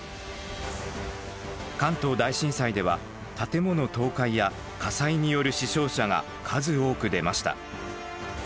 関東大震災では建物倒壊や火災による死傷者が数多く出ました。